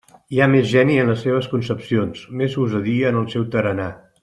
Hi ha més geni en les seves concepcions, més gosadia en el seu tarannà.